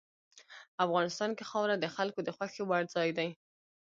افغانستان کې خاوره د خلکو د خوښې وړ ځای دی.